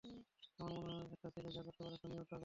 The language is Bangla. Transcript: আমার মনে হয়, একটা ছেলে যা করতে পারে, একটা মেয়েও তা পারবে।